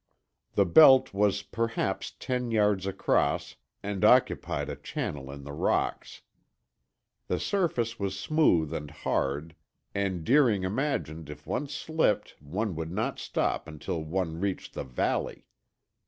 The belt was perhaps ten yards across and occupied a channel in the rocks. The surface was smooth and hard, and Deering imagined if one slipped one would not stop until one reached the valley.